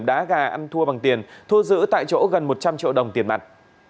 đá gà ăn thua bằng tiền thu giữ tại chỗ gần một trăm linh triệu đồng tiền mặt